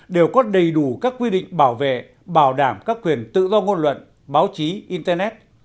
đều có đầy đủ các quy định bảo vệ bảo đảm các quyền tự do ngôn luận báo chí internet